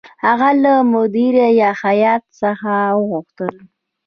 هغه له مدیره هیات څخه وغوښتل.